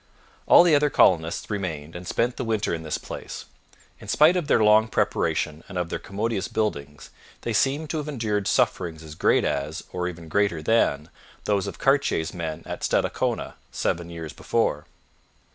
All the other colonists remained and spent the winter in this place. In spite of their long preparation and of their commodious buildings, they seem to have endured sufferings as great as, or even greater than, those of Cartier's men at Stadacona seven years before.